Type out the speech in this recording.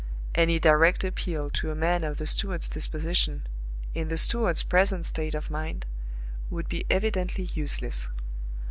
Any direct appeal to a man of the steward's disposition, in the steward's present state of mind, would be evidently useless.